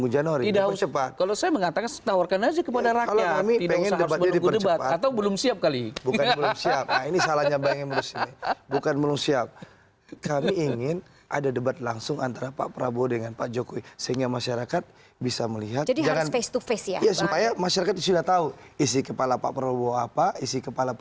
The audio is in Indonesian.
jangan juga tahu dari media sosial